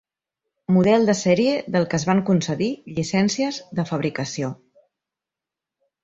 Model de sèrie del que es van concedir llicències de fabricació.